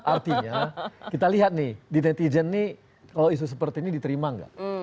artinya kita lihat nih di netizen nih kalau isu seperti ini diterima nggak